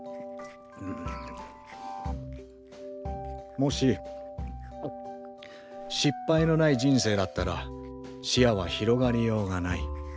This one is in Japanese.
もし失敗のない人生だったら視野は広がりようがない。